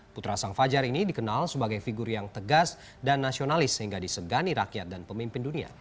putra sang fajar ini dikenal sebagai figur yang tegas dan nasionalis sehingga disegani rakyat dan pemimpin dunia